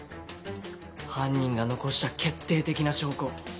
犯人が残した決定的な証拠を。